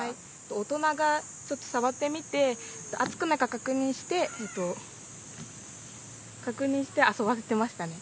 大人がちょっと触ってみて、熱くないか確認して、確認して遊ばせてましたね。